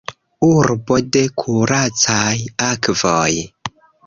Urbo de kuracaj akvoj.